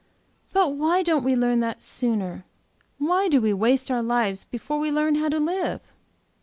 "But why don't we learn that sooner? Why do we waste our lives before we learn how to live?"